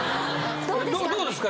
どうですか？